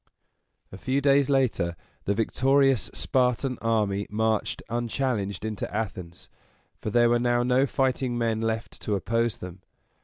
A few days later the victorious Spartan army marched unchallenged into Athens, for there were now no fighting men left to oppose them.